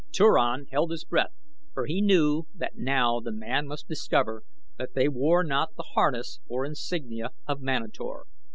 Turan held his breath for he knew that now the man must discover that they wore not the harness or insignia of Manator.